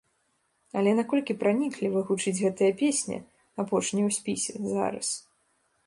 Але наколькі пранікліва гучыць гэтая песня, апошняя ў спісе, зараз?